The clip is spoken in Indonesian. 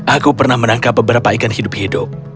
aku pernah menangkap beberapa ikan hidup hidup